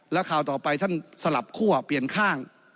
แล้วคราวต่อไปท่านสลับคั่วเปลี่ยนข้าง